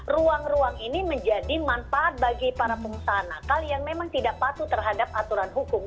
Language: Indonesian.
ruang ruang ini menjadi manfaat bagi para pengusaha nakal yang memang tidak patuh terhadap aturan hukum